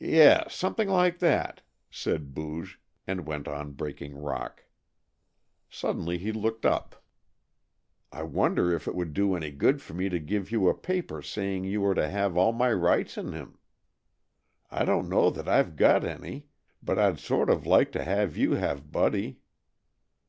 "Yes, something like that," said Booge, and went on breaking rock. Suddenly he looked up. "I wonder if it would do any good for me to give you a paper saying you are to have all my rights in him? I don't know that I've got any, but I'd sort of like to have you have Buddy."